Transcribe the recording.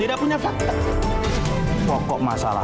apa bahasa yang kira kira